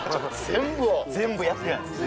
全部を全部やってないです